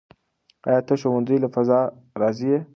آیا ته د ښوونځي له فضا راضي یې؟